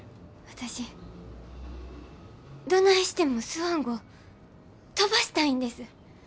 私どないしてもスワン号飛ばしたいんです。